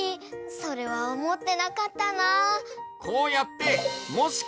それはおもってなかったな。